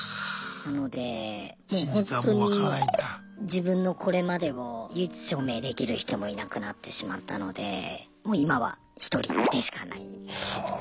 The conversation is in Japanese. なのでもうほんとに自分のこれまでを唯一証明できる人もいなくなってしまったのでもう今は１人でしかない。